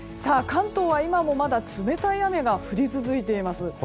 関東は今もまだ冷たい雨が降り続いています。